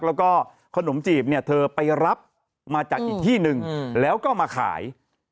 แล้วก็ขนมจีบเนี่ยเธอไปรับมาจากอีกที่หนึ่งแล้วก็มาขาย